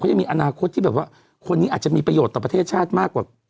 เค้ายังมีอนาคตที่อาจมีประโยชน์ต่อประเทศชาติมากกว่า